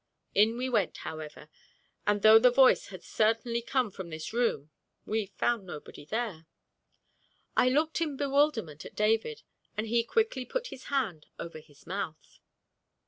In we went, however, and though the voice had certainly come from this room we found nobody there. I looked in bewilderment at David, and he quickly put his hand over his mouth.